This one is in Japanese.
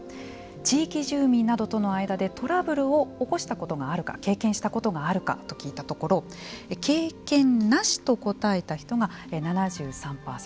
地域住民などとの間でトラブルを起こしたことがあるか経験したことがあるかと聞いたところ経験なしと答えた人が７３％。